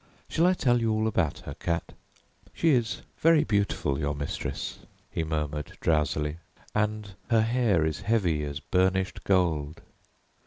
"Shall I tell you all about her, cat? She is very beautiful your mistress," he murmured drowsily, "and her hair is heavy as burnished gold.